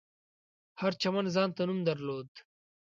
هر چمن ځانته نوم درلود.